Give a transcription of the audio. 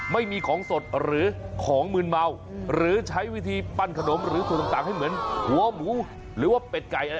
ไม่มีของสดหรือของมืนเมาหรือใช้วิธีปั้นขนมหรือส่วนต่างให้เหมือนหัวหมูหรือว่าเป็ดไก่อะไร